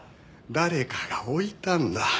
誰かが置いたんだ。